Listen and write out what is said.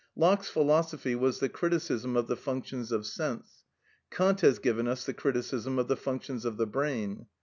Locke's philosophy was the criticism of the functions of sense; Kant has given us the criticism of the functions of the brain.